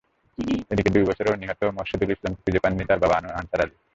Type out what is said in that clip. এদিকে দুই বছরেও নিহত মোর্শেদুল ইসলামকে খুঁজে পাননি তাঁর বাবা আনসার আলী।